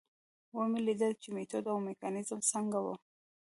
ومې لیدل چې میتود او میکانیزم څنګه و.